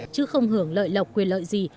chứ không hưởng lợi lộc quyền lợi gì